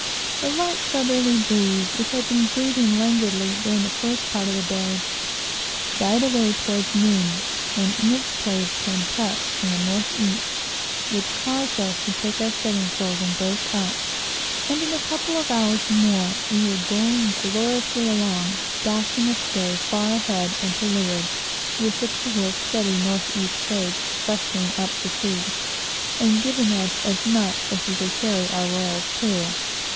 The light southerly breeze, which had been blowing languidly during the first part of the day, died away toward noon, and in its place came puffs from the north east, which caused us to take our studding sails in and brace up; and in a couple of hours more, we were bowling gloriously along, dashing the spray far ahead and to leeward, with the cool, steady north east trades, freshening up the sea, and giving us as much as we could carry our royals to.